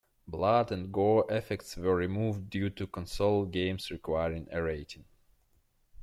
Blood and gore effects were removed due to console games requiring a rating.